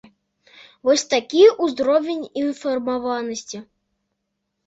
Вось такі ўзровень інфармаванасці!